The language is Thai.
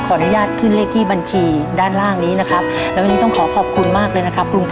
อนุญาตขึ้นเลขที่บัญชีด้านล่างนี้นะครับแล้ววันนี้ต้องขอขอบคุณมากเลยนะครับลุง